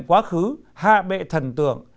quá khứ ha bệ thần tượng